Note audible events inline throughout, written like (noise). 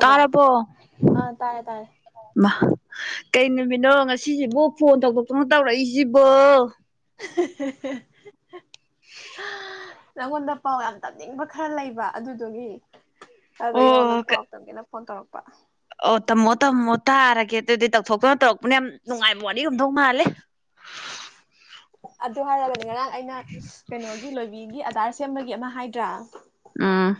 ꯇꯥꯔꯕꯣ ꯑꯥ ꯇꯥꯔꯦ ꯇꯥꯔꯦ ꯀꯩ ꯅꯨꯃꯤꯠꯅꯣ ꯉ ꯁꯤꯁꯤꯕꯨ ꯐꯣꯟ ꯇꯧꯗꯣꯛꯇꯅ ꯇꯧꯔꯛꯏꯁꯤꯕꯣ ꯍꯍꯍꯍꯍꯥ ꯅꯪꯉꯣꯟꯗ ꯄꯥꯎ ꯌꯥꯝ ꯇꯝꯅꯤꯡꯕ ꯈꯔ ꯂꯩꯕ ꯑꯗꯨꯗꯨꯒꯤ ꯑꯗ ꯑꯩ ꯅꯉꯣꯟꯗ ꯑꯣ ꯄꯥꯎ ꯇꯝꯒꯦꯅ ꯐꯣꯟ ꯇꯧꯔꯛꯄ ꯑꯣ ꯇꯝꯃꯣ ꯇꯝꯃꯣ ꯇꯥꯔꯒꯦ ꯑꯗꯨꯗꯤ ꯇꯧꯊꯣꯛꯄꯅ ꯇꯧꯔꯛꯄꯅ ꯌꯥꯝ ꯅꯨꯡꯉꯥꯏꯕ ꯋꯥꯔꯤ ꯑꯣꯢꯔꯝꯗꯧ ꯃꯥꯜꯂꯤ ꯑꯗꯨ ꯍꯥꯏꯔꯒꯗꯤ ꯉꯔꯥꯡ ꯑꯩꯅ ꯀꯩꯅꯣꯒꯤ ꯂꯣꯏꯕꯤꯒꯤ ꯑꯙꯥꯔ ꯁꯦꯝꯕꯒꯦ ꯑꯃ ꯍꯥꯏꯗ꯭ꯔꯥ ꯑꯥ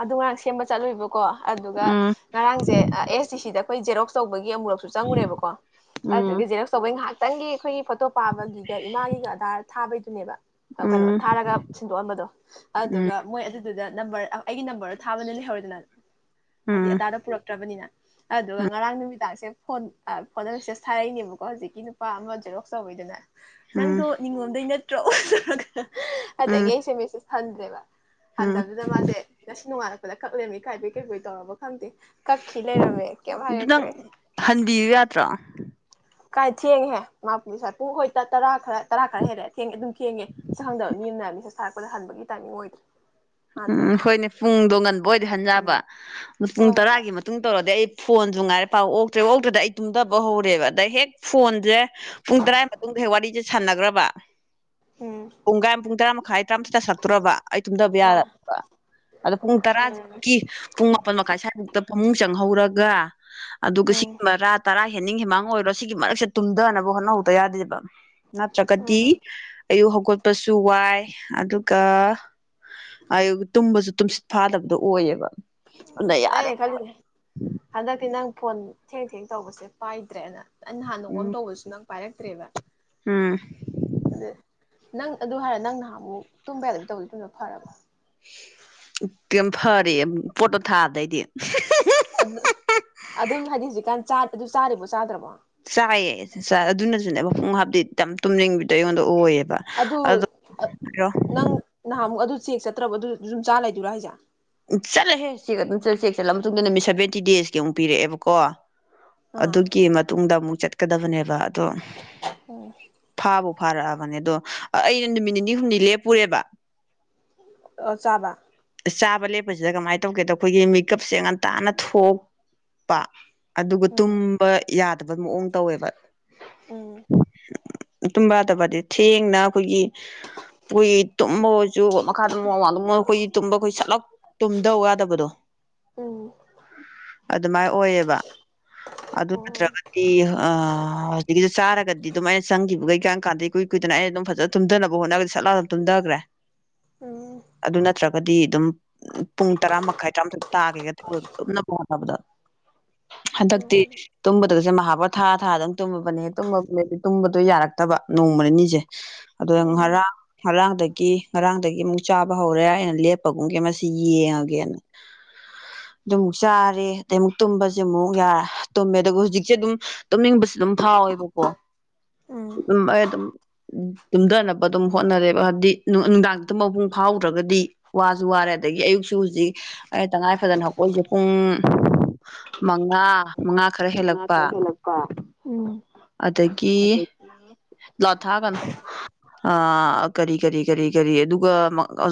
ꯑꯗꯨ ꯉꯔꯥꯡ ꯁꯦꯝꯕ ꯆꯠꯂꯨꯕꯣ ꯀꯣ ꯑꯗꯨꯒ ꯎꯝ ꯉꯔꯥꯡꯁꯦ ꯑꯦꯁ ꯗꯤ ꯁꯤꯗ ꯑꯩꯈꯣꯏꯖꯦꯔꯣꯛ ꯇꯧꯕꯒꯤ ꯑꯃꯨꯨꯔꯛꯁꯨ ꯆꯪꯉꯨꯔꯦꯕꯀꯣ ꯎꯝ ꯑꯗꯨꯗꯒꯤ ꯖꯦꯔꯣꯛꯁ ꯇꯧꯕꯩ ꯉꯥꯏꯍꯥꯛꯇꯪꯒꯤ ꯑꯩꯈꯣꯏꯒꯤ ꯐꯣꯇꯣ ꯄꯥꯕꯒꯤꯒ ꯏꯃꯥꯒꯤꯒ ꯑꯙꯔ ꯊꯥꯕꯩ ꯟꯕꯗ ꯀꯩꯅꯣ ꯎꯝ ꯊꯥꯔꯒ ꯁꯤꯟꯗꯣꯛꯑꯝꯕꯗꯣ ꯎꯝ ꯑꯗꯨꯒ ꯃꯣꯏ ꯑꯗꯨ ꯑꯗꯨꯗ ꯅꯝꯕ ꯑꯩꯒꯤ ꯅꯝꯕꯔꯗꯣ ꯊꯥꯕꯅꯦ ꯂꯩꯍꯧꯔꯦꯗꯅ ꯍꯥꯏꯗꯤ ꯑꯙꯔ ꯄꯨꯔꯛꯇ꯭ꯔꯕꯅꯤꯅ ꯑꯗꯨꯒ ꯉꯔꯥꯡ ꯅꯨꯃꯤꯗꯥꯡꯁꯦ ꯐꯣꯟ ꯐꯣꯟꯗ ꯃꯦꯁꯦꯁ ꯊꯥꯔꯛꯏꯅꯦꯕꯀꯣ ꯍꯧꯖꯤꯛꯀꯤ ꯅꯨꯄꯥ ꯑꯃ ꯖꯦꯔꯣꯛꯁ ꯇꯧꯋꯤꯗꯅ ꯎꯝ ꯎꯝ ꯅꯪꯗꯣ ꯅꯤꯡꯉꯣꯝꯗꯩꯅ (unintelligible) ꯎꯝ ꯑꯗꯒꯤ ꯑꯩꯁꯦ ꯃꯦꯁꯤꯁ ꯍꯟꯗꯔ꯭ꯦ ꯕ ꯎꯝ ꯍꯟꯗꯕꯗꯨꯗ ꯃꯥꯁꯦ ꯅꯣꯡ ꯉꯜꯂꯛꯄꯗ ꯀꯛ ꯂꯦꯏꯔꯝ ꯃꯦ ꯏꯀꯥꯏꯕꯣꯏ ꯀꯩꯕꯣꯏ ꯏ ꯇꯧꯔꯕꯒ ꯍꯗꯤ ꯀꯥꯛ ꯈꯤ ꯂꯩꯔꯝ ꯃꯦ ꯀꯩꯃ ꯑꯗꯨ ꯅꯪ ꯍꯥꯏꯛꯇ꯭ꯔꯦ ꯍꯟꯕꯤꯌꯨ ꯌꯥꯗ꯭ꯔꯣ ꯀꯥꯏ ꯊꯦꯡꯉꯦ ꯃꯥ ꯄꯨꯡ ꯍꯣꯏꯇꯥ ꯇꯔꯥ ꯈꯔ ꯇꯔꯥ ꯈꯔ ꯍꯦꯜꯂꯦ ꯊꯦꯡꯉꯦ ꯑꯗꯨꯝ ꯊꯦꯡꯉꯦ ꯁꯛ ꯈꯪꯗꯕ ꯃꯤ ꯑꯃꯅ ꯍꯥꯏ ꯊꯥꯔꯛꯄꯗ ꯍꯟꯕꯒꯤ ꯇꯥꯏꯃꯤꯡ ꯑꯣꯏꯗ꯭ꯔꯦ ꯃꯥꯅ ꯎꯝ ꯊꯥꯔꯛꯏꯗꯣ ꯍꯣꯏꯅꯦ ꯄꯨꯡꯗꯣ ꯉꯟꯕ ꯑꯣꯏꯗꯤ ꯍꯟꯕ ꯎꯝ ꯑꯗꯨꯣ ꯄꯨꯡ ꯍꯣꯏ ꯍꯣꯏ ꯇꯔꯥꯒꯤ ꯃꯇꯨꯡ ꯇꯧꯔꯗꯤ ꯑꯩ ꯐꯣꯟꯁꯨ ꯉꯥꯏꯔꯦ ꯄꯥꯎ ꯑꯣꯛꯇ꯭ꯔꯦ ꯑꯣꯛꯇ꯭ꯔꯦꯗ ꯑꯩ ꯇꯨꯝꯊꯕ ꯍꯧꯔꯦꯕ ꯑꯗ ꯍꯦꯛ ꯐꯣꯟ ꯄꯨꯡ ꯇꯔꯥꯏ ꯃ ꯇꯨꯡꯗ ꯍꯦꯛ ꯋꯥꯔꯤ ꯁꯥꯟꯅꯈ꯭ꯔꯕ ꯍꯣꯏ ꯎꯝ ꯄꯨꯨꯡꯒꯥꯏꯝ ꯄꯨꯡ ꯇꯔꯥ ꯃꯈꯥꯏ ꯇꯔꯥꯃꯊꯣꯏ ꯇꯥꯁꯜ ꯂꯛꯇꯣꯔꯕ ꯑꯩ ꯇꯨꯝꯊꯕ ꯌꯥꯗ ꯑꯥ ꯑꯗꯣ ꯄꯨꯡ ꯇꯔꯥ ꯎꯝ ꯄꯨꯡ ꯃꯥꯄꯜ ꯃꯈꯥꯏ ꯁ꯭ꯋꯥꯏꯃꯨꯛꯇ ꯐꯃꯨꯡ ꯆꯪꯍꯧꯔꯒ ꯑꯗꯨꯒ ꯎꯝ ꯁꯤꯒꯕ ꯇꯔꯥ ꯍꯦꯟꯅꯤꯡ ꯍꯦꯃꯥꯡ ꯑꯣꯏꯔꯣ ꯁꯤꯒꯤ ꯃꯔꯛꯁꯦ ꯇꯨꯝꯊꯅꯕ ꯍꯣꯠꯅꯍꯧꯗ ꯌꯥꯗꯦꯕ ꯅꯠꯇ꯭ꯔꯒꯗꯤ ꯎꯝ ꯑꯌꯨꯛ ꯍꯧꯒꯠꯄꯁꯨ ꯋꯥꯏ ꯑꯗꯨꯒ ꯇꯨꯝꯕꯁꯨ ꯇꯨꯝꯁꯤꯠ ꯐꯥꯗꯕꯗꯣ ꯑꯣꯏꯌꯦꯕ ꯑꯗꯨꯅ ꯌꯥꯔꯦ ꯑꯩꯅꯦ ꯀꯂꯗꯦ ꯑꯗꯗꯒꯤ ꯅꯪ ꯐꯣꯟ ꯊꯦꯡ ꯊꯦꯡ ꯇꯧꯕꯁꯦ ꯄꯥꯏꯗ꯭ꯔꯦꯅ ꯑ ꯍꯥꯟꯅꯒꯝ ꯎꯝ ꯇꯧꯕꯁꯨ ꯅꯪ ꯄꯥꯏꯔꯛꯇ꯭ꯔꯦꯕ ꯎꯝ ꯅꯪ ꯑꯗꯨ ꯍꯥꯏꯔ ꯅꯪ ꯅꯍꯥꯟ ꯑꯃꯨꯛ ꯇꯨꯝꯕ ꯌꯥꯗꯗꯤ ꯇꯧꯗꯤ ꯇꯨꯝꯗꯅ ꯐꯔꯕ ꯀꯦꯝ ꯐꯔꯦ ꯄꯣꯠꯇꯣ ꯊꯥ ꯑꯗꯩꯗꯤ ꯑꯗꯨ ꯑꯗꯨꯝ ꯍꯥꯏꯗꯤ ꯍꯧꯖꯤꯛꯀꯥꯟ ꯑꯗꯨ ꯆꯥꯔꯤꯕꯣ ꯆꯥꯗ꯭ꯔꯕꯣ ꯆꯥꯏꯌꯦ ꯑꯗꯨꯅꯁꯨꯅꯦ ꯃꯄꯨꯡ ꯍꯥꯞꯇꯗꯤ ꯏꯇꯝ ꯇꯨꯝꯅꯤꯡꯕꯤꯗꯣ ꯑꯩꯉꯣꯟꯗ ꯑꯣꯏꯌꯦꯕ ꯑꯗꯨ ꯑꯗꯣ ꯅꯪ ꯅ ꯑꯗꯨ ꯆꯦꯛ ꯆꯠꯇ꯭ꯔꯕ ꯑꯗꯨ ꯁꯨꯝ ꯆꯥꯔ ꯂꯩꯗꯣꯏꯔꯥ ꯍꯥꯏꯁꯦ ꯎ ꯆꯠꯂꯍꯦ ꯆꯦꯛ ꯑꯗꯨꯝ ꯆꯠꯂ ꯆꯦꯛ ꯆꯠꯂ ꯃꯇꯨꯡꯗ ꯅꯨꯃꯤꯠ ꯁꯚꯦꯟꯇꯤ ꯗꯦꯖꯀꯤ ꯑꯃꯨꯛ ꯄꯤꯔꯛꯑꯦꯕꯀꯣ ꯑꯥ ꯑꯗꯨꯒꯤ ꯃꯇꯨꯡꯗ ꯑꯃꯨꯛ ꯆꯠ ꯀꯗꯕꯅꯦꯕ ꯎꯝ ꯊꯥꯕ ꯐꯔꯛꯑꯕꯅꯦ ꯑꯗꯣ ꯑꯩꯅ ꯅꯨꯃꯤꯠ ꯅꯤꯅꯤ ꯍꯨꯝꯅꯤ ꯂꯦꯞꯄꯨꯔꯦꯕ ꯑꯣ ꯆꯥꯕ ꯆꯥꯕ ꯂꯦꯞꯄꯁꯤꯗ ꯀꯃꯥꯏꯅ ꯇꯧꯒꯦꯗꯣ ꯑꯩꯈꯣꯏꯒꯤ ꯃꯤꯀꯞꯁꯦ ꯉꯟꯇꯥꯅ ꯊꯣꯛꯄ ꯑꯗꯨꯒ ꯎꯝ ꯇꯨꯝꯕ ꯌꯥꯗ ꯕ ꯃꯑꯣꯡ ꯇꯧꯋꯦꯕ ꯎꯝ ꯇꯨꯝꯕꯗꯕꯗꯤ ꯊꯦꯡꯅ ꯑꯩꯈꯣꯏꯒꯤ ꯄꯨꯏ ꯇꯨꯝꯃ ꯆꯨꯒꯣꯠ ꯃꯈꯥꯔꯝ ꯃꯗ ꯑꯩꯈꯣꯏꯒꯤ ꯇꯨꯝꯕꯈꯣꯏ ꯆꯂꯛ ꯇꯨꯝꯗꯧ ꯌꯥꯗꯕꯗꯣ ꯎꯝ ꯑꯗꯨꯃꯥꯏꯅ ꯑꯣꯏꯌꯦꯕ ꯑꯗꯨ ꯑꯣ ꯅꯠꯇ꯭ꯔꯒꯗꯤ ꯑ ꯆꯥꯔꯒꯗꯤ ꯑꯗꯨꯝ ꯑꯩꯅ ꯆꯪꯈꯤꯕꯒꯩ ꯀꯥꯟ ꯀꯥꯟꯗ ꯏꯨꯏ ꯀꯨꯏꯗꯅꯩꯅ ꯑꯗꯨꯝ ꯐꯖꯅ ꯇꯨꯝꯊꯅꯕ ꯍꯣꯠꯅꯒꯗꯤ ꯁꯠꯂꯥ ꯑꯗꯨ ꯇꯨꯝꯊꯈ꯭ꯔꯦ ꯎꯝ ꯑꯗꯨ ꯅꯠꯇ꯭ꯔꯒꯗꯤ ꯑꯗꯨꯝ ꯄꯨꯡ ꯇꯔꯥ ꯃꯈꯥꯏ ꯇꯔꯥꯃꯊꯣꯏ ꯇꯥꯒꯦꯒ ꯇꯧꯋꯦꯕ ꯇꯨꯝꯅ ꯍꯣꯠꯅꯕꯗ ꯎꯝ ꯍꯟꯗꯛꯇꯤ ꯇꯨꯝꯕꯗꯒꯁꯨꯦ ꯃꯍꯥꯕ ꯊꯥ ꯊꯥꯗ ꯑꯗꯨꯝ ꯇꯨꯝꯃꯕꯅꯦ ꯇꯨꯝꯃꯕꯗꯤ ꯇꯨꯝꯕꯗꯣ ꯌꯥꯔꯛꯇꯕ ꯅꯣꯡꯃ ꯅꯤꯁꯦ ꯑꯗ ꯎꯝ ꯉꯔꯥꯡ ꯉꯔꯥꯡꯗꯒꯤ ꯉꯔꯥꯡꯗꯒꯤ ꯑꯃꯨꯛ ꯆꯥꯕ ꯍꯧꯔꯦ ꯑꯩꯅ ꯂꯦꯞꯄꯒꯨꯝꯒ ꯃꯁꯤ ꯌꯦꯡꯉꯒꯦꯅ ꯑꯗꯨꯃꯨꯛ ꯆꯥꯔꯦ ꯑꯗꯩ ꯑꯃꯨꯛ ꯇꯨꯝꯕꯁꯦ ꯑꯃꯨꯛ ꯌꯥ ꯇꯨꯝꯃꯦ ꯑꯗꯨꯒ ꯍꯧꯖꯤꯛꯁꯦ ꯑꯗꯨꯝ ꯇꯨꯝꯅꯤꯡꯕꯁꯨ ꯑꯗꯨꯝ ꯐꯥꯎꯋꯦꯕꯀꯣ ꯎꯝ ꯑꯗꯨꯝ ꯑꯩ ꯑꯗꯨꯝ ꯇꯨꯝꯊꯅꯕ ꯑꯗꯨꯝ ꯍꯣꯠꯅꯔꯦꯕ ꯍꯥꯏꯕꯗꯤ ꯅꯨꯡꯗꯥꯡꯛꯇ ꯃꯄꯨꯡ ꯐꯥꯎꯗ꯭ꯔꯒꯗꯤ ꯋꯥꯁꯨ ꯋꯥꯔꯦ ꯑꯗꯒꯤ ꯑꯌꯨꯛꯁꯨ ꯍꯧꯖꯤꯛ ꯑꯩ ꯇꯉꯥꯏ ꯐꯗꯅ ꯍꯧꯄꯏꯁꯦ ꯄꯨꯡ ꯃꯉꯥ ꯃꯉꯥ ꯈꯔ ꯃꯉꯥ ꯍꯦꯜꯂꯛꯄ ꯈꯔ ꯍꯦꯜꯂꯛꯄ ꯎꯝ ꯑꯗꯒꯤ ꯑꯗꯨ ꯂꯥꯊꯥꯒꯅꯨ ꯑ ꯀꯔꯤ ꯀꯔꯤ ꯀꯔꯤ ꯀꯔꯤ ꯑꯗꯨꯒ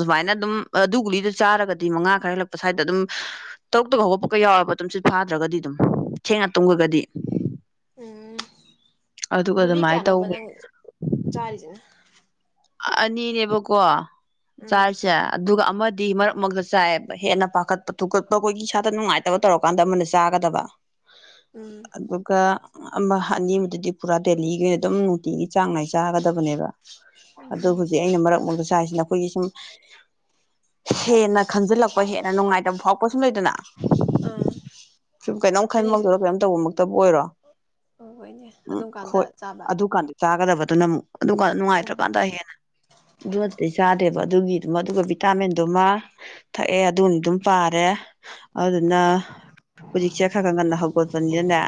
ꯑꯃꯥꯏꯅ ꯑꯗꯨꯝ ꯑꯗꯨ ꯒꯨꯂꯤꯗꯨ ꯆꯥꯔꯒꯗꯤ ꯃꯉꯥ ꯈꯔ ꯍꯦꯜꯂꯛꯄ ꯁ꯭ꯋꯥꯏꯗ ꯑꯗꯨꯝ ꯇꯔꯨꯛꯇ ꯍꯧꯒꯠꯄꯀ ꯌꯥꯎꯔꯔꯕ ꯑꯗꯨꯨꯝꯁꯨ ꯐꯥꯗ꯭ꯔꯒꯗꯤ ꯑꯗꯨꯝ ꯊꯦꯡꯅ ꯇꯨꯝꯈꯒꯗꯤ ꯎꯝ ꯒꯨꯂꯤ ꯑꯗꯨꯃꯥꯏꯅ ꯀꯌꯥꯅꯣꯕ ꯇꯧꯋꯦ ꯅꯪ ꯆꯥꯔꯤꯁꯤꯅ ꯑꯅꯤꯅꯦꯕꯀꯣ ꯎꯝ ꯆꯥꯔꯤꯁꯦ ꯑꯗꯨꯒ ꯑꯃꯗꯤ ꯃꯔꯛ ꯃꯔꯛꯇ ꯆꯥꯏ ꯍꯦꯟꯅ ꯄꯥꯈꯠꯄ ꯊꯨꯀꯠꯄ ꯑꯈꯣꯏꯒꯤ ꯏꯁꯥꯗ ꯅꯨꯡꯉꯥꯏꯇꯕ ꯇꯧꯔꯀꯥꯟꯗ ꯑꯃꯅ ꯆꯥꯒꯗꯕ ꯎꯝ ꯑꯗꯨꯒ ꯑꯃ ꯑꯅꯤ ꯑꯃꯗꯨꯗꯤ ꯄꯨꯔꯥ ꯗꯦꯜꯂꯤꯒꯤ ꯑꯣꯏꯅ ꯑꯗꯨꯝ ꯅꯨꯡꯇꯤꯒꯤ ꯆꯥꯡ ꯅꯥꯏ ꯆꯥꯒꯗꯕꯅꯦꯕ ꯑꯗꯣ ꯍꯧꯖꯤꯛ ꯑꯩꯅ ꯃꯔꯛ ꯃꯔꯗ ꯆꯥꯏꯁꯤꯅ ꯑꯩꯈꯣꯏꯒꯤ ꯁꯨꯝ (inaudible) ꯍꯦꯟꯅ ꯈꯟꯖꯤꯜꯂꯛꯄ ꯍꯦꯟꯅ ꯅꯨꯡꯉꯥꯏꯇꯕ ꯐꯥꯎꯔꯛꯄ ꯁꯨꯝ ꯂꯩꯗꯅ ꯑꯥ ꯁꯨꯝ ꯀꯩꯅꯣꯝ ꯍꯥꯏꯗꯤ ꯈꯟꯕꯃꯛꯇꯔꯣ ꯀꯩꯅꯣꯝ ꯇꯧꯕꯃꯛꯇꯕꯨ ꯑꯣꯏꯔꯣ ꯍꯣꯏꯅꯦ ꯎꯝ ꯑꯗꯨꯝ ꯀꯥꯟꯗ ꯍꯣꯏ ꯆꯥꯕ ꯑꯗꯨꯀꯥꯟꯗ ꯆꯥꯒꯗꯕꯗ ꯅ ꯑꯗꯨꯅꯝ ꯑꯗꯨꯒ ꯅꯨꯡꯉꯥꯏꯇ꯭ꯔ ꯎꯝ ꯀꯥꯟꯗ ꯍꯦꯟꯅ ꯑꯗꯨ ꯅꯠꯇ꯭ꯔꯗꯤ ꯆꯥꯗꯦꯕ ꯑꯗꯨꯒꯤ ꯃꯗꯨꯒ ꯚꯤꯇꯥꯃꯤꯟꯗꯨꯃ ꯊꯛꯑꯦ ꯑꯗꯨꯅ ꯑꯗꯨ ꯑꯅꯤꯗꯨꯝ ꯄꯥꯔꯦ ꯑꯗꯨꯅ ꯍꯨꯖꯤꯛꯁꯦ ꯈꯔ ꯈꯔ ꯉꯟꯅ ꯍꯧꯒꯠꯄꯅꯤꯅꯅꯦ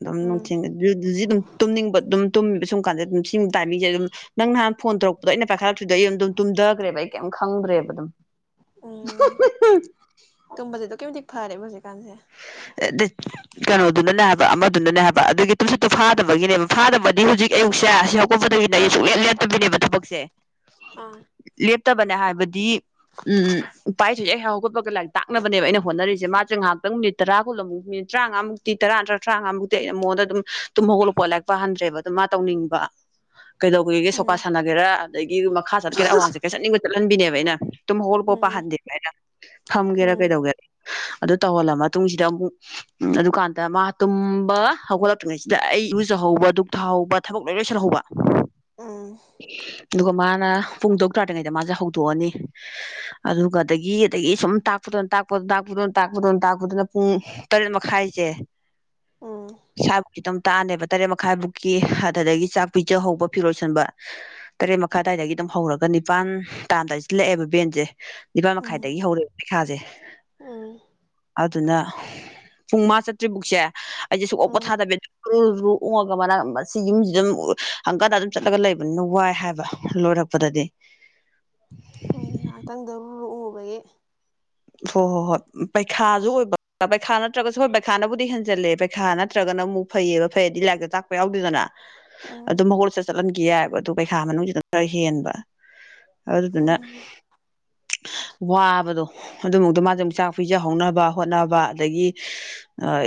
ꯑꯗꯨꯝ ꯎꯝ ꯅꯨꯡꯊꯤꯟ ꯗꯨ ꯖꯤ ꯗꯨꯝ ꯇꯨꯝꯅꯤꯡꯕ ꯑꯗꯨꯝ ꯇꯨꯝꯃꯦꯕ ꯁꯨꯝ ꯀꯥꯟꯗ ꯗꯨꯝ ꯁꯤ ꯇꯥꯏꯃꯤꯡꯁꯦ ꯑꯗꯨꯝ ꯅꯪ ꯅꯍꯥꯟ ꯐꯣꯟ ꯇꯧꯔꯛꯄꯗꯣ ꯑꯩꯅ ꯄꯥꯏꯈꯠꯂꯛꯇ꯭ꯔꯤꯗꫭ ꯑꯩ ꯑꯗꯨꯝ ꯇꯨꯝꯊꯈ꯭ꯔꯦꯕ ꯑꯩ ꯀꯩꯝ ꯈꯪꯗ꯭ꯔꯦꯕ ꯑꯗꯨꯝ ꯎꯝ ꯇꯨꯝꯕꯁꯤ ꯑꯗꯨꯛꯀꯤ ꯃꯇꯤꯛ ꯐꯔꯦ ꯍꯧꯖꯤꯛ ꯀꯥꯟꯁꯦ ꯑꯗꯦ ꯀꯩꯅꯣꯗꯨꯅꯅꯦ ꯍꯥꯏꯕ ꯑꯃꯗꯨꯅꯅꯦ ꯍꯥꯏꯕ ꯑꯗꯨꯒꯤ ꯇꯨꯝꯁꯨꯠꯇꯨ ꯎꯝ ꯐꯥꯗꯕꯒꯤꯅꯦꯕ ꯐꯥꯗꯕ ꯑꯗꯨ ꯍꯧꯖꯤꯛ ꯑꯌꯨꯛꯁꯦ ꯁꯤ ꯍꯧꯀꯠꯄꯗꯒꯤꯗꯤꯅꯦ ꯑꯩ ꯁꯨꯛꯂꯦꯞ ꯂꯦꯞꯇꯕꯤꯅꯦꯕ ꯊꯕꯛꯁꯦ ꯑꯥ ꯂꯦꯞ ꯐꯠꯇꯕꯅꯦ ꯍꯥꯏꯕꯗꯤ ꯎꯝ ꯄꯥꯏꯊꫭꯏꯗ (unintelligible) ꯈꯣꯠꯄꯒ ꯂꯥꯏꯔꯤꯛ ꯇꯛꯅꯕꯅꯦꯕ ꯑꯩꯅ ꯍꯣꯠꯅꯔꯤꯁꯦ ꯃꯥꯁꯨ ꯉꯍꯥꯛꯇꯪ ꯇꯔꯥ ꯀꯨꯟꯂꯃꯨꯛ ꯃꯤꯅꯤꯠ ꯇꯔꯥꯉꯥꯃꯨꯛꯇꯤ ꯇꯔꯥ ꯅꯠꯇ꯭ꯔ ꯇꯔꯥꯝꯉꯥꯃꯨꯛꯇꯤ ꯑꯩꯩꯅ ꯃꯉꯣꯟꯗ ꯑꯗꯨꯝ ꯇꯨꯝ ꯍꯧꯒꯠꯂꯛꯄ ꯂꯥꯏꯔꯤꯛ ꯄꯥꯍꯟꯗ꯭ꯔꯦꯕ ꯑꯗꯨꯝ ꯃꯥ ꯇꯧꯅꯤꯡꯕ ꯀꯩꯗꯧꯒꯦꯒꯦ ꯁꯣꯀꯥ ꯎꯝ ꯁꯥꯟꯅꯒꯦꯔꯥ ꯗꯒꯤ ꯃꯈꯥ ꯆꯠꯀꯦꯔꯥ ꯑꯋꯥꯡ ꯆꯠꯀꯦꯔꯥ ꯆꯠꯅꯤꯡꯕ ꯆꯠꯍꯟꯕꯤ ꯅꯦꯕ ꯕ ꯑꯩꯅ ꯇꯨꯝ ꯍꯧꯒꯠꯂꯛꯄꯒ ꯎꯝ ꯄꯥꯍꯟꯗꯦꯕ ꯑꯩꯅ ꯐꯝꯒꯦꯔꯥ ꯎꯝ ꯀꯩꯗꯧꯒꯦ ꯑꯗꯨ ꯇꯧꯍꯜꯂ ꯃ ꯃꯇꯨꯡꯁꯤꯗ ꯑꯃꯨꯛ ꯑꯗꯨꯀꯥꯟꯗ ꯃꯥ ꯇꯨꯝꯕ ꯍꯧꯒꯠꯂꯛꯇ꯭ꯔꯤꯉꯩꯁꯤꯗ ꯑꯩ ꯏꯔꯨꯖꯍꯧꯕ ꯗꯨꯛ ꯊꯍꯧꯕ ꯊꯕꯛ ꯂꯣꯏ ꯂꯣꯏꯁꯤꯜꯍꯧꯕ ꯎꯝ ꯑꯗꯨꯒ ꯃꯥꯅ ꯄꯨꯡ ꯇꯔꯨꯛ ꯇꯥꯗ꯭ꯔꯤꯉꯩꯗ ꯃꯥꯁꯦ ꯍꯧꯗꯣꯛꯑꯅꯤ ꯑꯗꯨꯒ ꯑꯗꯒꯤ ꯑꯗꯒꯤ ꯁꯨꯝ ꯇꯥꯛꯄꯗꯨꯅ ꯇꯥꯛꯄꯗꯨꯅ ꯇꯥꯛꯄꯗꯨꯅ ꯇꯥꯛꯄꯗꯨꯅ ꯇꯥꯛꯄꯗꯨꯅ ꯎꯝ ꯇꯔꯦꯠ ꯃꯈꯥꯏꯁꯦ ꯎꯝ ꯁꯥꯞꯀꯤꯈꯤꯇꯝ ꯇꯥꯅꯦꯕ ꯇꯔꯦꯠ ꯃꯈꯥꯏꯕꯨꯛꯀꯤ ꯑꯗꯨꯗꯒꯤ ꯆꯥꯛ ꯄꯤꯖ ꯍꯧꯕ ꯐꯤꯔꯣꯜꯁꯤꯟꯕ ꯇꯔꯦꯠ ꯃꯈꯥꯏ ꯑꯗꯨꯋꯥꯏꯗꯒꯤ ꯑꯗꯨꯝ ꯍꯧꯔꯒ ꯅꯤꯄꯥꯥꯟ ꯇꯥꯗꯥꯏꯁꯤꯜꯂꯛꯑꯦꯕ ꯕꯦꯟꯁꯦ ꯅꯤꯄꯥ ꯃꯈꯥꯏꯗꯒꯤ ꯍꯧꯔꯛꯦ ꯥꯖꯦ ꯑ ꯑꯗꯨꯅ ꯄꯨꯡ ꯃꯥꯥ ꯆꯠꯇ꯭ꯔꯤ ꯐꯕꯨꯛꯁꯦ ꯑꯩꯁꯦ ꯁꯨꯛ ꯑꯣꯞ ꯎꯝ ꯄꯣꯊꯥꯗꯕꯤꯨꯨ ꯑꯣꯡꯉꯒ ꯃꯅꯥꯛ ꯃꯁꯤ ꯌꯨꯝꯁꯤ ꯑꯗꯨꯝ ꯍꯪꯀꯥꯟꯗ ꯑꯗꯨꯝ ꯆꯠꯂꯒ ꯂꯩꯕꯅꯤꯅ ꯋꯥꯏ ꯍꯥꯏꯕ ꯂꯣꯏꯔꯛꯄꯗꯗꯤ ꯍꯣꯏꯅꯦ ꯉꯥꯏꯍꯥꯛꯇꯪꯗ ꯂꯨꯔꯨꯉꯨꯕꯒꯤ ꯍꯣꯏ ꯍꯣꯏ ꯍꯣꯏ ꯄꯩꯈꯥꯁꯨ ꯑꯣꯏꯕ ꯄꯩꯈꯥ ꯅꯠꯇ꯭ꯔꯒꯁꯨ ꯍꯣꯏ ꯄꯩꯈꯥꯅꯕꯨꯗꯤ ꯍꯦꯟꯖꯜꯂꯦ ꯄꯩꯈꯥ ꯅꯠꯇ꯭ꯔꯒꯅ ꯑꯃꯨꯛ ꯐꯩꯌꯦꯕ ꯐꯩꯗꯤ ꯂꯥꯏꯔꯤꯛꯇ ꯇꯥꯛꯄ ꯌꯥꯎꯗꯣꯏꯗꯅ ꯎꯝ ꯑꯗꯨ ꯃꯈꯒꯣꯜꯁꯦ ꯆꯠꯍꯟꯒ ꯒꯤꯌꯥꯏꯕ ꯑꯗꯨꯣ ꯄꯩꯈꯥ ꯃꯅꯨꯡꯁꯤꯗ ꯈꯔ ꯍꯦꯟꯕ ꯑꯗꯨꯗꯨꯅ ꯎꯝ ꯋꯥꯕꯗꯣ ꯑꯗꯨꯃꯛꯇ ꯃꯥꯁꯦ ꯑꯃꯨꯛ ꯆꯥꯛ ꯄꯤꯖꯍꯧꯅꯕ ꯍꯣꯠꯅꯕ ꯑꯗꯒꯤ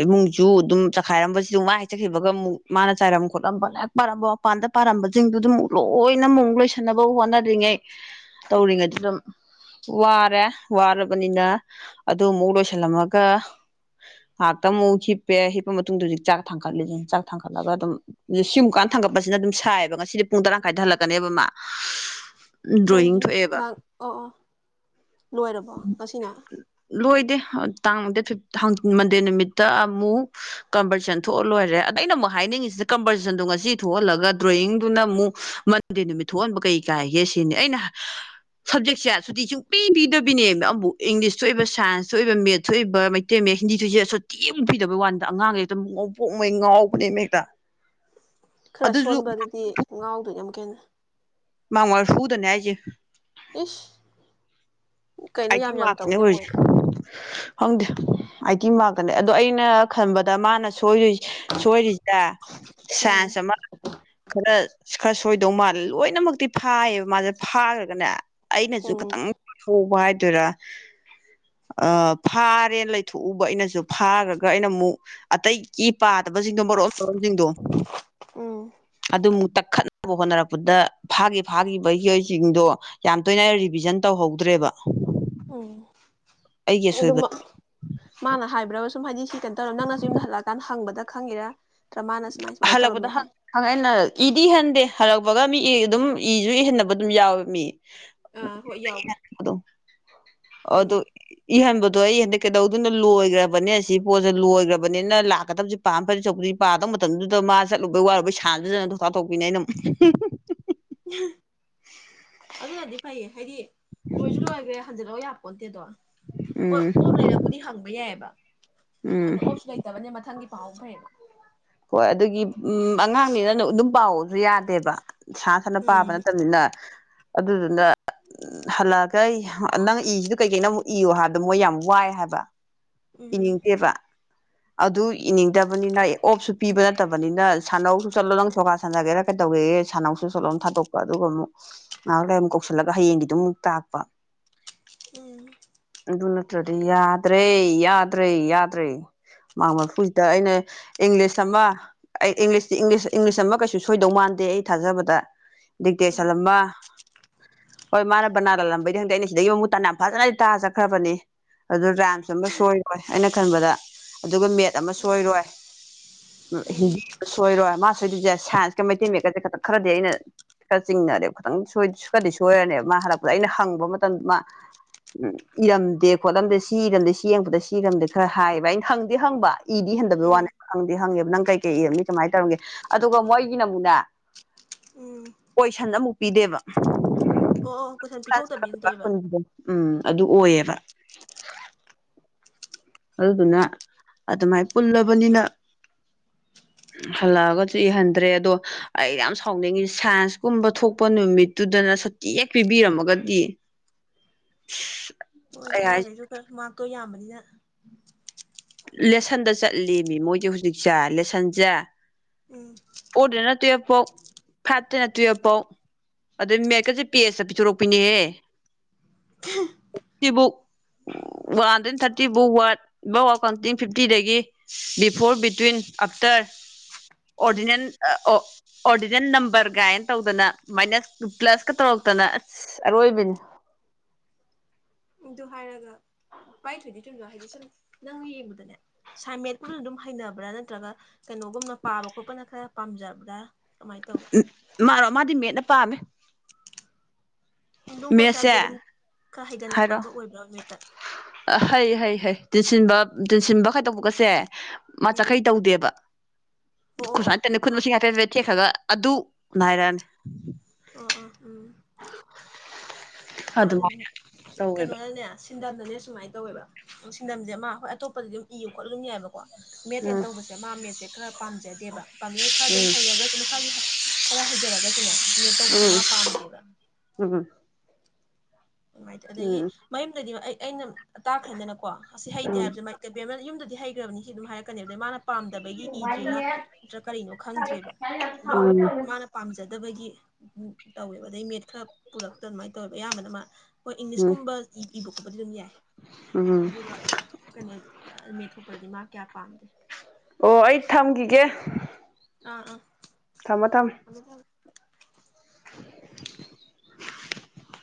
ꯏꯃꯨꯡꯁꯨ ꯑꯗꯨꯝ ꯆꯈꯥꯏꯔꯝꯕꯁꯤꯗ ꯋꯥ ꯍꯥꯏꯖꯈꯤꯕꯒ ꯑꯃꯨꯛ ꯃꯥꯅ ꯆꯥꯏꯔꯝ ꯈꯣꯠꯂꯝꯝꯕ ꯂꯥꯏꯦꯛ ꯄꯥꯔꯝꯕ ꯃꯄꯥꯟꯗ ꯄꯥꯔꯝꯕꯁꯤꯡꯗꯨ ꯑꯗꯨ ꯑꯃꯨꯛ ꯂꯣꯏꯅ ꯑꯃꯨꯛ ꯂꯣꯏꯁꯟꯅꯕ ꯍꯣꯠꯅꯔꯤꯉꯩ ꯇꯧꯔꯤꯉꯩꯗ ꯑꯗꯨꯝ ꯋꯥꯔꯦ ꯋꯥꯔꯕꯅꯤꯅ ꯑꯗꯨ ꯑꯃꯨꯛ ꯂꯣꯏꯁꯤꯜꯂꯝꯃꯒ ꯉꯍꯥꯛꯇ ꯑꯃꯨꯛ ꯍꯤꯞꯄꯦ ꯍꯤꯞꯄ ꯃꯇꯨꯡꯗ ꯍꯧꯖꯤꯛ ꯆꯥꯛ ꯊꯥꯡꯒꯠꯂꯤꯁꯤ ꯆꯥꯛ ꯊꯥꯡꯒꯠꯂꯒ ꯑꯗꯨꯝ ꯁꯤꯡꯨꯝꯀꯥꯟꯗ ꯊꯥꯡꯒꯠꯄꯁꯤꯅ ꯑꯗꯨꯝ ꯁꯥꯏꯑꯕ ꯉꯁꯤꯗꯤ ꯄꯨꯡ ꯇꯔꯥ ꯀꯥꯏꯗ ꯍꯜꯂꯛꯀꯅꯦꯕ ꯃꯥ ꯗ꯭ꯔꯣꯌꯤꯡ ꯀꯩꯒꯤ ꯊꯣꯛꯑꯦꯕ ꯂꯥꯛ ꯑꯣ ꯂꯣꯏꯔꯕꯣ ꯉꯁꯤꯅ ꯂꯣꯏꯗꯦ ꯇꯥꯡ ꯗꯦꯠ ꯐꯤ ꯃꯟꯗꯦ ꯅꯨꯃꯤꯠꯇ ꯑꯃꯨꯛ ꯀꯝꯄꯇꯤꯁꯟ ꯊꯣꯛꯍꯜ ꯂꯣꯏꯔꯦ ꯑꯗ ꯑꯩꯅ ꯑꯃꯨꯛ ꯍꯥꯏꯅꯤꯡꯉꯤꯁꯤꯗ ꯀꯝꯄꯥꯔꯇꯤꯁꯟꯗꯣ ꯉꯁꯤ ꯊꯣꯛꯍꯜꯂꯒ ꯗ꯭ꯔꯣꯌꯤꯡꯗꯨꯅ ꯑꯃꯨꯛ ꯃꯟꯗꯦ ꯅꯨꯃꯤꯠ ꯊꯣꯛꯍꯟꯕ ꯀꯩ ꯀꯥꯏꯒꯦ ꯁꯤꯅꯤ ꯑꯩꯅ ꯁꯞꯖꯦꯛꯁꯦ ꯁꯨꯇꯤ ꯁꯨꯡ ꯄ ꯄꯗ ꯄꯤꯅꯦ ꯑꯃꯕꯨ ꯏꯪꯂꯤꯁꯇ ꯑꯣꯏꯕ ꯁꯥꯏꯟꯁꯇꯁꯨ ꯑꯣꯏꯕ ꯃꯦꯠꯁꯨ ꯑꯣꯏꯕ ꯃꯩꯇꯩ ꯃꯌꯦꯛ ꯍꯤꯟꯗꯤ ꯊꯣꯏꯁ ꯑꯁꯣꯊꯦꯡ ꯐꯤꯗꯕꯩ ꯋꯥꯅꯤꯗ ꯑꯉꯥꯡꯁꯦꯛꯇ ꯉꯥꯎꯄꯣꯛꯉꯩ ꯉꯥꯎꯕꯅꯦꯕ ꯍꯦꯛꯇ ꯈꯔ ꯑꯗꯨꯁꯨ ꯁꯣꯟꯕꯗꯨꯗꯤ ꯉꯥꯎꯗꯣ ꯌꯥꯝ ꯈꯦꯠꯅꯩ ꯃꯥꯉ ꯋꯥꯔ ꯁꯨꯗ ꯅꯖ ꯎ ꯑꯩꯥꯏ ꯃꯥꯅꯦ ꯍꯧꯣꯏ ꯈꯪꯗꯦ ꯑꯇꯤ ꯃꯥꯔꯛꯇꯅꯦ ꯑꯗꯣ ꯑꯩꯅ ꯈꯟꯕꯗ ꯃꯥꯅ ꯣꯏ ꯁꯣꯏꯔꯤꯁꯤꯗ ꯎꯝ ꯁꯥꯏꯟꯁ ꯑꯃ ꯈꯔ ꯈꯔ ꯁꯣꯏꯗꯧ ꯃꯥꯜꯂꯦ ꯂꯣꯏꯅꯃꯛꯇꯤ ꯐꯥꯏꯌꯦꯕ ꯃꯥꯁꯦ ꯐꯥꯈ꯭ꯔꯒꯅꯦ ꯑꯩꯅꯁꯨ ꯎꯝ ꯈꯤꯇꯪ ꯊꯕ ꯍꯥꯏ ꯑꯗꯨ ꯑꯗꯨꯔ ꯐꯥꯔꯦꯅ ꯂꯩꯊꯣꯛꯎꯕ ꯑꯩꯅꯁꯨ ꯐꯥꯈ꯭ꯔꯒ ꯑꯩꯅ ꯑꯃꯨꯛ ꯑꯇꯩꯒꯤ ꯄꯥꯗꯕꯁꯤꯡꯗꯣ ꯃꯔꯣꯛ ꯁꯣꯔꯣꯟꯁꯤꯡꯗꯣ ꯎꯝ ꯑꯗꯨ ꯈꯠꯅꯕ ꯍꯣꯠꯅꯔꯛꯄꯗ ꯐꯥꯒꯤ ꯐꯥꯈꯤꯕ ꯃꯤꯑꯣꯏꯁꯤꯡꯗꯣ ꯌꯥꯝ ꯇꯣꯏꯅ ꯔꯤꯚꯤꯖꯟ ꯇꯧꯍꯧꯗ꯭ꯔꯦꯕ ꯎꯝ ꯑꯩꯒꯤ ꯑꯁꯣꯏꯕ ꯑꯗꯨꯝ ꯃꯥꯅ ꯍꯥꯏꯕ꯭ꯔꯒ ꯁꯨꯝ ꯍꯥꯏꯗꯤ ꯀꯩꯅꯣ ꯇꯧꯔꯣ ꯅꯪꯅꯁꯨ ꯌꯨꯝꯗ ꯍꯜꯂꯛꯑꯀꯥꯟ ꯍꯪꯕꯗ ꯈꯪꯦꯔꯥ ꯍꯜꯂꯛꯄꯗꯪꯥꯏꯅ ꯏꯍꯟꯗꯦ ꯍꯜꯂꯛꯄꯒ ꯃꯤ ꯑꯗꯨꯝ ꯏꯁꯨ ꯏꯍꯟꯅꯕ ꯑꯗꯨꯝ ꯌꯥꯎꯋꯦ ꯃꯤ ꯑꯥ ꯍꯣꯏ ꯌꯥꯎꯋꯦ ꯍ ꯑ ꯎꯝ ꯑꯗꯨꯣ ꯏꯍꯕ ꯑꯗꯣ ꯑꯩ ꯍꯟꯗꯛ ꯀꯩꯗꯧꯗꯨꯅ ꯂꯣꯏꯈ꯭ꯔꯕꯅꯦ ꯁꯤ ꯄꯣꯠꯁꯦ ꯂꯣꯏꯈ꯭ꯔꯕꯅꯤꯅ ꯂꯥꯛꯀꯗꯕꯕꯁꯤ ꯄꯥꯝ ꯐꯗꯤ ꯆꯗꯤ ꯄꯥꯗꯕ ꯃꯇꯝꯗꯨꯗ ꯃꯥ ꯆꯠꯂꯨꯕꯩ ꯋꯥꯔꯨꯕꯩ ꯁꯥꯟꯖꯖꯅ ꯊꯧꯇꯥꯛ ꯇꯣꯛꯄꯤꯅꯦ ꯑꯩꯅꯝ ꯎꯝ ꯑꯗꯨꯅꯗꯤ ꯐꯩꯌꯦ ꯍꯥꯏꯗꯤ ꯂꯣꯢꯖꯨ ꯂꯣꯢꯒ꯭ꯔꯦ ꯍ (unintelligible) ꯌꯥꯄꯣꯟꯇꯦꯗꯣ ꯍꯣꯏ ꯎꯝ ꯑꯣꯞ ꯂꯩꯔꯕꯨꯗꯤ ꯍꯪꯕ ꯌꯥꯏꯌꯦꯕ ꯎꯝ ꯑꯗ ꯑꯣꯞꯁꯨ ꯂꯩꯇꯕꯅ ꯃꯊꯪꯒꯤ ꯄꯥꯍꯧ ꯐꯩꯌꯦꯕ ꯍꯣꯏ ꯑꯗꯨꯒꯤ ꯎ ꯑꯉꯥꯡꯅꯤꯅ ꯑꯗꯨꯝ ꯄꯥꯎꯁꯨ ꯌꯥꯗꯦꯕ ꯁꯥ ꯁꯅ ꯄꯥꯕ ꯎꯝ ꯅꯠꯇꯕꯅꯤꯅ ꯑꯗꯨꯗꯨꯅ ꯍꯜꯂꯛꯑꯒ ꯅꯪ ꯏꯒꯤꯗꯨ ꯀꯩꯀꯩꯅꯣ ꯑꯃꯨꯛ ꯏꯌꯨ ꯍꯥꯏꯕꯗ ꯃꯣꯏ ꯌꯥꯝ ꯋꯥꯏ ꯍꯥꯏꯕ ꯎꯝ ꯏꯅꯤꯡꯗꯦꯕ ꯑꯗꯨ ꯏꯅꯤꯡꯗꯕꯅꯤꯅ ꯑꯣꯞꯁꯨ ꯄꯤꯕ ꯅꯠꯇꯕꯅꯤꯅ ꯁꯥꯟꯅꯧꯁꯨ ꯆꯠꯂꯣ ꯅꯪ ꯁꯣꯒꯥ ꯁꯥꯟꯅꯒꯦꯔꯥ ꯀꯩꯗꯧꯒꯦꯒꯦ ꯁꯥꯥꯟꯅꯧꯁꯨ ꯆꯠꯂꯣ ꯊꯥꯗꯣꯛꯄ ꯑꯗꯨꯒ ꯑꯃꯨꯛ ꯉꯥꯏꯍꯥꯛ ꯂꯩ ꯑꯃꯨꯛ ꯀꯧꯁꯤꯜꯂꯒ ꯍꯌꯦꯡꯒꯤꯗꯨ ꯑꯃꯨꯛ ꯇꯥꯛꯄ ꯎꯝ ꯗꯨ ꯅꯠꯇ꯭ꯔꯗꯤ ꯌꯥꯗ꯭ꯔꯦ ꯌꯥꯗ꯭ꯔꯦ ꯌꯥꯗ꯭ꯔꯦ ꯃꯥ꯭ꯔꯛ ꯃ꯭ꯥꯔꯐꯨꯁꯤꯗ ꯑꯩꯅ ꯏꯪꯂꯤꯁ ꯑꯃ ꯑꯩ ꯏꯪꯂꯤꯁꯇ ꯏꯪꯂꯤꯁ ꯑꯃ ꯀꯩꯁꯨ ꯁꯣꯏꯗꯧ ꯃꯥꯟꯗꯦ ꯑꯩ ꯊꯥꯖꯕꯗ ꯎꯝ ꯗꯤꯛꯇꯦꯁꯜꯂꯝꯃ ꯍꯣꯏ ꯃꯥꯅ ꯕꯅꯥꯟ ꯂꯜꯂꯝꯕꯩꯗꯤ ꯈꯪꯗꯦ ꯑꯩꯅ ꯁꯤꯗꯒꯤ ꯃꯃꯨꯠ ꯇꯅ ꯌꯥꯝ ꯐꯖꯅꯗꯤ ꯇꯥꯖꯈ꯭ꯔꯕꯅꯤ ꯑꯗꯨ ꯔꯥꯢꯝꯁ ꯑꯃ ꯁꯣꯏꯔꯣꯏ ꯑꯩꯅ ꯈꯟꯕꯗ ꯑꯗꯨꯒ ꯃꯦꯠ ꯑꯃ ꯁꯣꯏꯔꯣꯏ ꯎꯝ ꯍꯤꯟꯗꯤ ꯑꯃ ꯁꯣꯏꯔꯣꯏ ꯃꯥ ꯁꯣꯏꯗꯣꯏꯁꯦ ꯁꯥꯏꯟꯁꯀ ꯃꯩꯇꯩ ꯃꯌꯦꯛꯠꯀꯁꯦ ꯈꯤꯇꯪ ꯈꯔꯗꯤ ꯑꯩꯅ ꯈꯔ ꯆꯤꯡꯅꯔꯦꯕ ꯈꯤꯇꯪ ꯁ ꯈꯔꯗꯤ ꯁꯣꯏꯔꯅꯦꯕ ꯃꯥ ꯍꯜꯂꯛꯄꯗ ꯑꯩꯅ ꯍꯪꯕ ꯃꯇꯝꯗ ꯃꯥ ꯎ ꯏꯔꯝꯗꯦ ꯈꯣꯠꯂꯝꯗꯦ ꯁꯤ ꯏꯔꯝꯗꯦ ꯁꯤ ꯌꯦꯡꯕꯗ ꯁꯤꯔꯝꯗꯤ ꯈꯔ ꯍꯥꯏꯌꯦꯕ ꯑꯩꯅ ꯍꯪꯗꯤ ꯍꯪꯕ ꯏꯗꯤ ꯍꯟꯗꯕꯩ ꯎꯝ ꯋꯥꯅꯦ ꯍꯪꯗꯤ ꯍꯪꯉꯦꯕ ꯅꯪ ꯀꯩꯀꯩ ꯏꯔꯝꯅꯤ ꯀꯃꯥꯏꯅ ꯇꯧꯔꯝꯒꯦ ꯑꯗꯨꯒ ꯃꯣꯏꯒꯤꯅ ꯑꯃꯨꯛꯅꯦ ꯎꯝ ꯀꯣꯏꯁꯟ ꯑꯃꯨꯛ ꯄꯤꯗꯦꯕ ꯑꯣ ꯑꯣ ꯀꯣꯏꯁꯟ ꯄꯤꯊꯣꯛꯇꯕꯤꯅ ꯇꯧꯋꯦꯕ ꯎꯝ ꯑꯗꯨ ꯎꯝ ꯑꯣꯏꯌꯦꯕ ꯑꯗꯨꯗꯨꯅ ꯑꯗꯨꯃꯥꯏꯅ ꯄꯨꯜꯂꯕꯅꯤꯅ ꯍꯜꯂꯛꯑꯒꯁꯨ ꯏꯍꯟꯗ꯭ꯔꯦ ꯑꯗꯣ ꯑꯩ ꯌꯥꯝ ꯁꯥꯎꯅꯤꯡꯉꯤ ꯁꯥꯏꯟꯁꯀꯨꯝꯕ ꯊꯣꯛꯄ ꯅꯨꯃꯤꯠꯇꯨꯗꯅ ꯁꯨꯇꯤ ꯍꯦꯛ ꯄꯤꯕꯤꯔꯝꯃꯒꯗꯤ ꯑꯩ ꯍꯥꯏꯁꯦ ꯑꯉꯥꯡꯈꯩꯁꯨ ꯈꯔ ꯃꯥꯛꯇꯣ ꯌꯥꯝꯕꯅꯤꯅ ꯑ ꯂꯦꯁꯟꯗ ꯆꯠꯂꯦꯃꯤ ꯃꯣꯏꯁꯦ ꯍꯧꯖꯤꯛꯁꯦ ꯂꯦꯁꯟꯁꯦ ꯎꯝ ꯐꯣꯔꯗꯅ ꯇꯨꯌꯦꯜꯞ ꯐꯥꯎ ꯐꯥꯏꯚꯇꯩꯅ ꯇꯨꯌꯦꯜꯐ ꯐꯥꯎ ꯑꯗꯨꯗꯩ ꯃꯦꯠꯀꯁꯦ ꯄꯦꯁꯇ ꯄꯤꯊꯣꯔꯛꯄꯤꯅꯦꯍꯦ ꯁꯤꯕꯨꯛ ꯋꯥꯟꯗꯩ ꯊꯥꯔꯇꯤꯕꯨ ꯋꯥꯠ (unintelligible) ꯐꯤꯐꯇꯤꯗꯒꯤ before between after um ordinal ordinal number ꯀꯥꯏꯅ ꯇꯧꯗꯅ ꯃꯥꯏꯅꯁ ꯄ꯭ꯂꯁꯀ ꯇꯧꯔꯛꯇꯅ ꯑꯁ ꯑꯔꯣꯏꯕꯤꯅꯤ ꯑꯗꯨ ꯍꯥꯏꯔꯒ ꯄꯥꯏ ꯊꯣꯏꯗꯤ ꯊꯨꯝꯗ ꯍꯥꯏꯗꯤ ꯁꯨꯝ ꯅꯪ ꯌꯦꯡꯕꯗꯅꯦ ꯁꯥꯏꯃꯦꯠꯄꯨꯁꯨ ꯑꯗꯨꯝ ꯍꯩꯅꯕ꯭ꯔꯥ ꯅꯠꯇ꯭ꯔꯒ ꯀꯩꯅꯣꯒꯨꯝꯅ ꯄꯥꯕ ꯈꯣꯠꯄꯅ ꯈꯔ ꯄꯥꯝꯖꯕ꯭ꯔꯥ ꯀꯃꯥꯏꯅ ꯇꯧꯋꯤ ꯎꯝ ꯃꯥꯔꯣ ꯃꯥꯗꯤ ꯃꯦꯠꯅ ꯄꯥꯝꯃꯦ ꯗꯨꯝ ꯍꯣꯠꯁꯤ ꯃꯦꯠꯁꯦ ꯍꯥꯢꯕꯗ ꯗꯨꯝ ꯈꯔ ꯍꯩꯒꯟ ꯍꯥꯏꯔꯣ ꯈꯣꯀꯟꯗ ꯑꯣꯏꯕ꯭ꯔꯥ ꯃꯦꯠꯇ ꯍꯩ ꯍꯩ ꯍꯩ ꯇꯤꯟꯁꯤꯟꯕ ꯇꯤꯟꯁꯤꯟꯕ ꯈꯥꯏꯗꯣꯛꯄꯒꯁꯦ ꯃꯥ ꯎꯝ ꯆꯈꯩ ꯇꯧꯗꯦꯕ ꯑꯣ ꯑꯣ ꯈꯨꯁꯥꯟ ꯈ ꯑꯣ ꯈꯨꯟꯃꯁꯤꯡ ꯍꯥꯏꯐꯦꯠ ꯍꯥꯢꯐꯦꯠ ꯊꯦꯛꯈ꯭ꯔꯒ ꯑꯗꯨ ꯅꯥꯏꯔ ꯑꯣ ꯑꯣ ꯎꯝ ꯍꯣꯏ ꯑꯗꯨ ꯑꯗꯨꯃꯥꯏꯅ ꯇꯧꯋꯦꯕ ꯀꯩꯅꯣꯅꯅꯦ ꯁꯤꯟꯗꯝꯗꯅꯦ ꯁꯨꯃꯥꯏꯅ ꯇꯧꯋꯦꯕ ꯁꯤꯟꯗꯝꯁꯦ ꯃꯥ ꯑꯩꯈꯣꯏ ꯑꯇꯣꯞꯄꯗꯤ ꯑꯗꯨꯝ ꯏꯌꯨ ꯈꯣꯠꯂꯨ ꯌꯥꯏꯕ ꯃꯦꯠ ꯅ ꯎꯝ ꯇꯧꯕꯁꯦ ꯃꯥ ꯃꯦꯠꯁꯦ ꯈꯔ ꯄꯥꯝꯖꯗꯦꯕ ꯄꯥꯝꯖꯗꯦ ꯈꯔ ꯑꯗꯨꯝ ꯎꯝ ꯍꯩꯔꯒꯁꯨ ꯃꯁꯥꯒꯤ ꯈꯔ ꯍꯩꯖꯔꯒꯁꯨꯅꯦ ꯃꯦꯠ ꯇꯧꯕꯁꯦ ꯃꯥ ꯄꯥꯝꯗꯦꯕ ꯎꯝ ꯎꯝ ꯅꯨꯡꯉꯥꯏꯇꯦ ꯑꯗꯒꯤ ꯎꯝ ꯃꯌꯨꯝ ꯂꯩꯗꯤ ꯑꯩ ꯑꯩꯅꯥ꯫ ꯇꯥꯛꯈ꯭ꯔꯦꯗꯅꯀꯣ ꯑꯁꯤ ꯍꯩꯇꯦ ꯎꯝ ꯍꯥꯏꯕꯁꯦ ꯌꯨꯝꯗ ꯍꯥꯌꯒ꯭ꯔꯥꯕꯅꯦ ꯁꯤ ꯑꯗꯨꯝ ꯍꯤꯔꯀꯅꯤ ꯑꯗꯨꯒꯥ ꯃꯥꯅꯥ꯫ ꯄꯥꯝꯗꯕꯒꯤ ꯏꯗ꯭ꯔꯤꯔꯥ ꯅꯠꯇ꯭ꯔ ꯀꯔꯤꯅꯣ ꯈꯪꯗ꯭ꯔꯦꯕ ꯑꯗꯨꯝ ꯎꯝ ꯃꯥꯅ ꯄꯥꯝꯖꯗꯕꯒꯤ ꯎꯝ ꯇꯧꯋꯦꯕ ꯑꯗꯩ ꯃꯦꯠ ꯈꯔ ꯄꯨꯔꯛꯇ ꯑꯗꯨꯃꯥꯏꯅ ꯇꯧꯋꯦꯕ ꯑꯌꯥꯝꯕꯅ ꯃꯥ ꯍꯣꯏ ꯏꯪꯂꯤꯁ ꯎꯝ ꯒꯨꯝꯕꯥ ꯏ ꯏꯕꯥ ꯈꯣꯠꯄꯥ ꯗ ꯑꯗꯨꯝ ꯌꯥꯏ꯫ ꯎꯝ ꯑꯗꯨꯒ ꯀꯩꯅꯣ ꯃꯦꯠ ꯊꯣꯛꯄꯗꯗꯤ ꯃꯥ ꯀꯌꯥ ꯄꯥꯝꯗꯦ꯫ ꯑꯣꯍ ꯑꯩ ꯊ꯭ꯃꯒꯤꯒꯦ꯫ ꯑꯦ. ꯑꯦ ꯊ꯭ꯃꯣ ꯊꯝ꯫ (unintelligible)